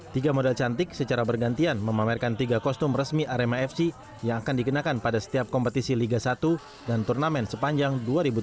tiga model cantik secara bergantian memamerkan tiga kostum resmi arema fc yang akan dikenakan pada setiap kompetisi liga satu dan turnamen sepanjang dua ribu tujuh belas